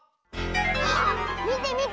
あっみてみて！